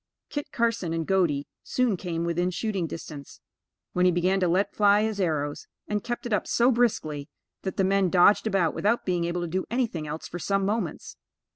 Kit Carson and Godey soon came within shooting distance, when he began to let fly his arrows, and kept it up so briskly, that the men dodged about, without being able to do anything else for some moments.